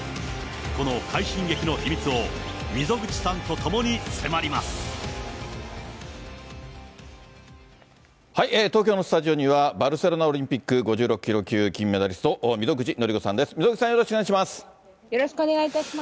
この快進撃の秘密を、東京のスタジオには、バルセロナオリンピック、５６キロ級、金メダリスト、溝口紀子さんです、溝口さん、よろしくお願いいたします。